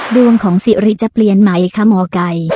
ดวงของสิริจะเปลี่ยนไหมคะหมอไก่